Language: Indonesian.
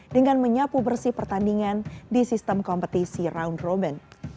dengan menyapu bersih pertandingan di sistem kompetisi round robin